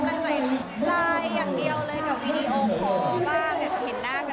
เออเห็นแล้วเพราะพ่อแม่เขาน่ารัก